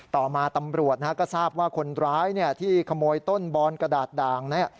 ต่อมาตำรวจก็ทราบว่าคนร้ายที่ขโมยต้นบอนกระดาษด่าง